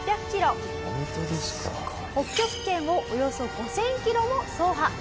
北極圏をおよそ５０００キロも走破。